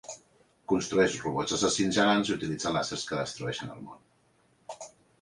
Construeix robots assassins gegants i utilitza làsers que destrueixen el món.